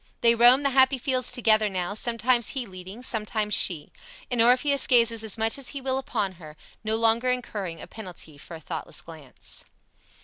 They roam the happy fields together now, sometimes he leading, sometimes she; and Orpheus gazes as much as he will upon her, no longer incurring a penalty for a thoughtless glance.